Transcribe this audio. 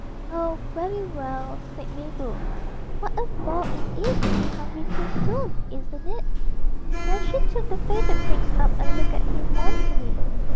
'Oh, very well,' said Mabel; 'what a bore it is to be hungry too soon, isn't it?' Then she took the faded prince up and looked at him mournfully.